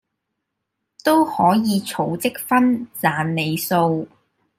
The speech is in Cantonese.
都可以儲積分賺里數